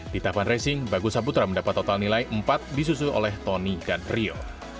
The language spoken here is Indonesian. di tahapan racing bagus saputra mendapat total nilai empat disusul oleh tony dan rio